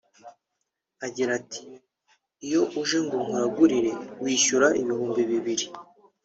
Agira ati “Iyo uje ngo nkuragurire wishyura ibihumbi bibiri